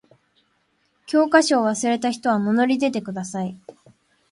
教科書を忘れた人は名乗り出てください。